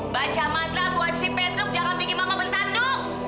baca matlam buat si petruk jangan bikin mama bertanduk